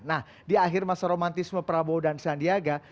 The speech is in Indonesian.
nah di akhir masa romantisme prabowo dan sandiaga